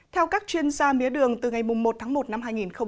theo các chuyên gia mía đường từ ngày một tháng một năm hai nghìn